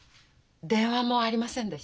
電話もありませんでした？